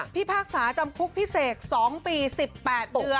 พี่ภาคสาห์จำคุกพี่เสก๒ปี๑๘เดือน